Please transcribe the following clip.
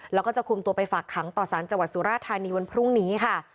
แล้วก็จะคุมตัวไปฝากขังต่อสารจังหวัดสุราธานีวันพรุ่งนี้ค่ะ